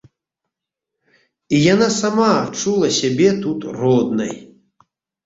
І яна сама адчула сябе тут роднай.